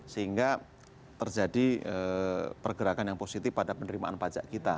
sehingga terjadi pergerakan yang positif pada penerimaan pajak kita